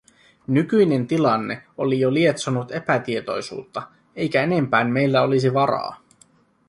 Nykyinen tilanne oli jo lietsonut epätietoisuutta, eikä enempään meillä olisi varaa.